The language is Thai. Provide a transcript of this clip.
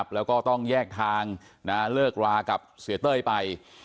แล้วก็ต้องแยกทางเลิกรากับเสียเต้ยไป